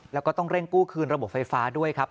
แล้วก็ต้องเร่งกู้คืนระบบไฟฟ้าด้วยครับ